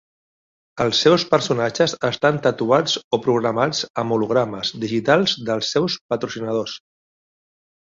Els seus personatges estan tatuats o programats amb hologrames digitals dels seus patrocinadors.